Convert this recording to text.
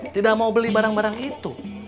tidak mau beli barang barang itu